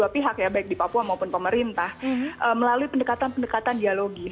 pihak ya baik di papua maupun pemerintah melalui pendekatan pendekatan dialogis